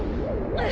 えっ！？